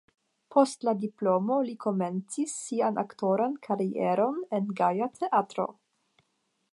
Post la diplomo li komencis sian aktoran karieron en Gaja Teatro.